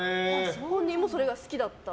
本人もそれが好きだった。